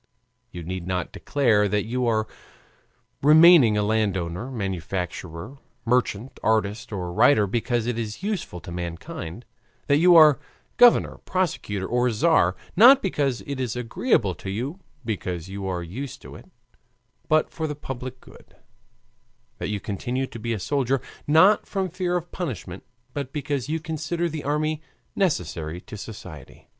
You need not declare that you are remaining a landowner, manufacturer, merchant, artist, or writer because it is useful to mankind; that you are governor, prosecutor, or tzar, not because it is agreeable to you, because you are used to it, but for the public good; that you continue to be a soldier, not from fear of punishment, but because you consider the army necessary to society.